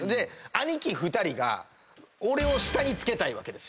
兄貴２人が俺を下につけたいわけですよ。